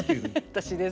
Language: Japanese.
私ですか？